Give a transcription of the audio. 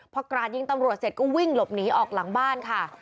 พอกราดยิงตำรวจเสร็จก็วิ่งหลบหนีออกหลังบ้านค่ะ